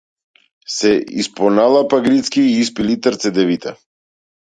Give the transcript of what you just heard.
Се испоналапа грицки и испи литар цедевита.